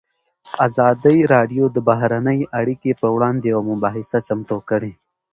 ازادي راډیو د بهرنۍ اړیکې پر وړاندې یوه مباحثه چمتو کړې.